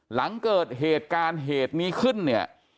หลังเกิดเหตุการณ์เหตุนี้ขึ้นเนี่ย